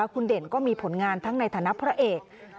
คุณเด่นก็มีผลงานทั้งในฐานะพระเอก